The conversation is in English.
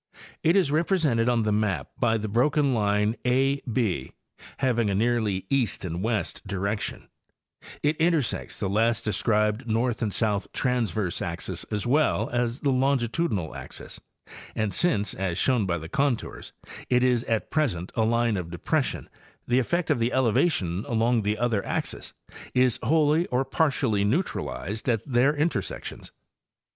It is represented on the map by the broken line 4 B, haying a nearly east and west direction ; it intersects the last described north and south transverse axis as well as the longitudinal axes, and since, as shown by the contours, it is at present a line of depres sion the effect of the elevation along the other axes is wholly or partially neutralized at their intersections.